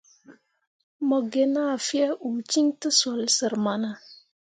Mo ge na fyee uul ciŋ tǝsoole sər mana.